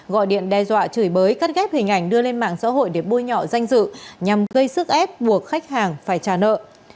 gọi điện đe dọa chửi bới cắt ghép hình ảnh đưa lên mạng xã hội để bôi nhọ danh dự nhằm gây sức ép buộc khách hàng phải trả nợ